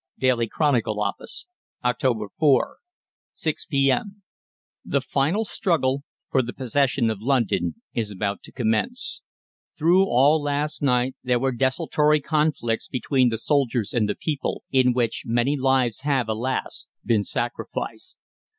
"'DAILY CHRONICLE' OFFICE, "Oct. 4, 6 P.M. "The final struggle for the possession of London is about to commence. Through all last night there were desultory conflicts between the soldiers and the people, in which many lives have, alas! been sacrificed.